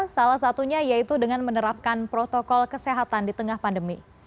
salah satunya yaitu dengan menerapkan protokol kesehatan di tengah pandemi